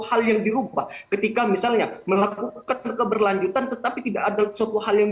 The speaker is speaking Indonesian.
hal yang dirubah ketika misalnya melakukan keberlanjutan tetapi tidak ada suatu hal yang